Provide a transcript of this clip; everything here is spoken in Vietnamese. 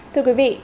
thưa quý vị